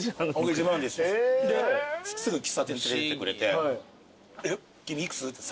すぐ喫茶店連れてってくれて君幾つ？って。